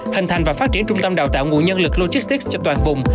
hình thành và phát triển trung tâm đào tạo nguồn nhân lực logistics cho toàn vùng